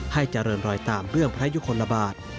ให้เจริญรอยตามเรื่องพระยุคลบาท